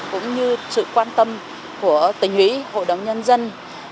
cũng như sự quan tâm của tỉnh ủy hội đồng nhân dân